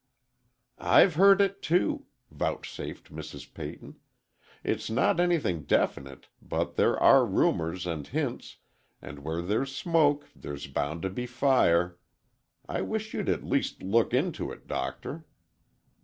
"I've heard it, too," vouchsafed Mrs. Peyton. "It's not anything definite, but there are rumors and hints, and where there's smoke, there's bound to be fire. I wish you'd at least look into it, Doctor."